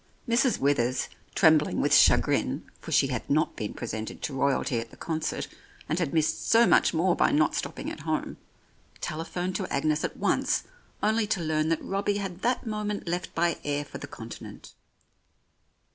Mrs. Withers, trembling with chagrin (for she had not been presented to Royalty at the concert, and had missed so much more by not stopping at home) telephoned to Agnes at once, only to learn that Robbie had that moment left by air for the Continent.